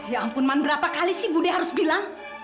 ya ampun man berapa kali sih bude harus bilang